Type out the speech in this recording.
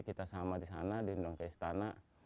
kita sama di sana diundang ke istana